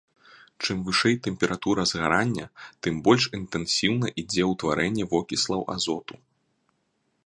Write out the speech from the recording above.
Чым вышэй тэмпература згарання, тым больш інтэнсіўна ідзе ўтварэнне вокіслаў азоту.